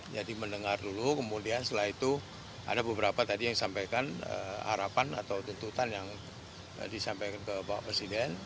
jadi mendengar dulu kemudian setelah itu ada beberapa tadi yang disampaikan harapan atau tentutan yang disampaikan ke bapak presiden